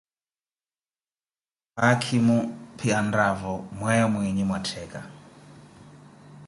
Haakhimo phi anraavo myeeyo mwiiyi mwa ttekka.